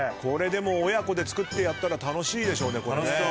これでも親子でつくってやったら楽しいでしょうねこれね。